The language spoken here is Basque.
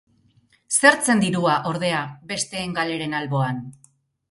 Zer zen dirua, ordea, besteen galeren alboan?